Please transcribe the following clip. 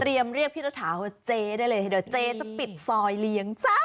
เรียกพี่รัฐาว่าเจ๊ได้เลยเดี๋ยวเจ๊จะปิดซอยเลี้ยงจ้า